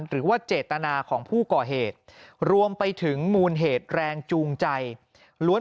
หรือว่าเจตนาของผู้ก่อเหตุรวมไปถึงมูลเหตุแรงจูงใจล้วน